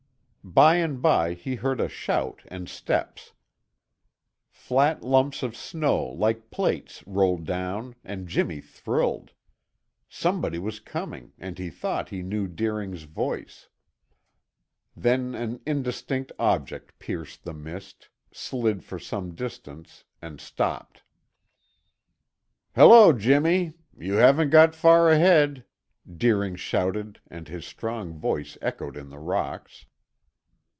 By and by he heard a shout and steps. Flat lumps of snow like plates rolled down and Jimmy thrilled. Somebody was coming and he thought he knew Deering's voice. Then an indistinct object pierced the mist, slid for some distance and stopped. "Hello, Jimmy! You haven't got far ahead," Deering shouted, and his strong voice echoed in the rocks.